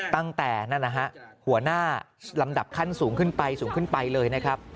ตั้งแต่หัวหน้าลำดับขั้นสูงขึ้นไปเลย